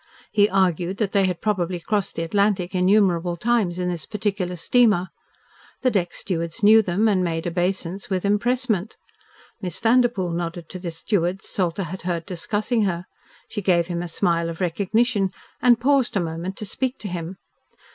He argued that they had probably crossed the Atlantic innumerable times in this particular steamer. The deck stewards knew them and made obeisance with empressement. Miss Vanderpoel nodded to the steward Salter had heard discussing her. She gave him a smile of recognition and paused a moment to speak to him.